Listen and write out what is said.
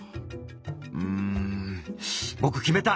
「うんぼく決めた！」。